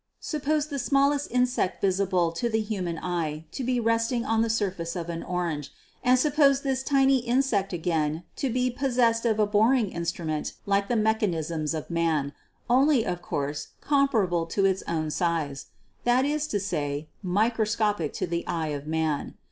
Suppose the 124 GEOLOGY smallest insect visible to the human eye to be resting on the surface of an orange, and suppose this tiny insect again to be possessed of a boring instrument like the mechanisms of Man, only of course comparable to its own size ; that is to say, microscopic to the eye of Man.